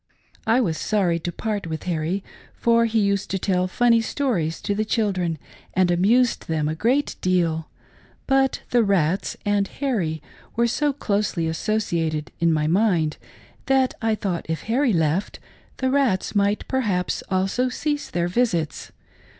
I was sorry to part with Harry, for he used to tell funny stories to the children, and amused them a great deal, but " the rats " and Harry were so closely associated in my mind that I thought if Harry left, the rats might perhaps also cease their visits.